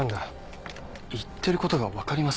言ってることが分かりません。